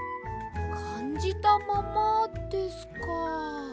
かんじたままですか。